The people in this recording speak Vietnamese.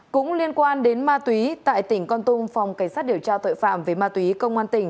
cũng liên quan đến ma túy tại tỉnh con tum phòng cảnh sát điều tra tội phạm về ma túy công an tỉnh